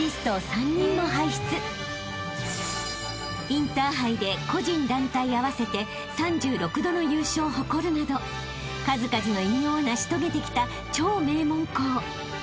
［インターハイで個人団体合わせて３６度の優勝を誇るなど数々の偉業を成し遂げてきた超名門校］